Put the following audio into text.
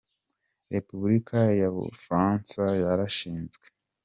Repubulika ya y’u Bufaransa yarashinzwe.